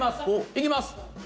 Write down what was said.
行きます。